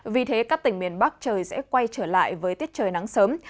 vì thế các tỉnh miền bắc trời sẽ quay trở lại với tiết trời nắng sớm